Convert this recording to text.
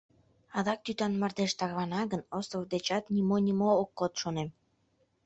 Адак тӱтан мардеж тарвана гын, остров дечат нимо-нимо ок код, шонем.